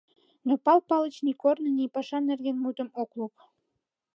Но Пал Палыч ни корно, ни паша нерген мутым ок лук.